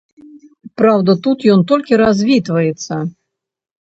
Праўда тут ён толькі развітваецца.